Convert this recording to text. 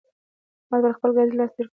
احمد پر خپل ګاډي لاس تېر کړ.